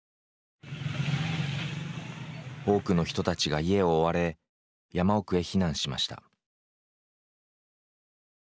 多くの人たちが家を追われ山奥へ避難しました。